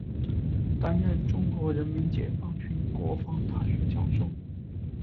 担任中国人民解放军国防大学教授。